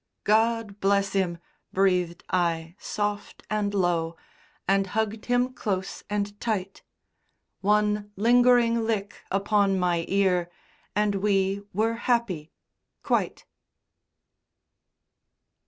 "God bless him," breathed I soft and low, And hugged him close and tight. One lingering lick upon my ear And we were happy quite.